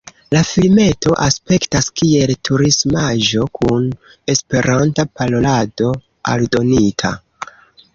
La filmeto aspektas kiel turismaĵo kun esperanta parolado aldonita.